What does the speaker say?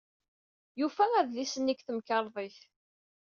Yufa adlis-nni deg temkarḍit.